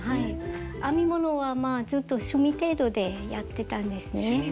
編み物はまあちょっと趣味程度でやってたんですね。